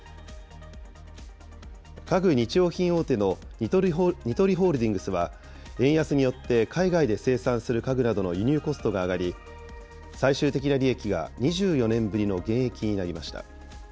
家具・日用品大手のニトリホールディングスは、円安によって海外で生産する家具などの輸入コストが上がり、最終的な利益が２４年ぶりの減益になりました。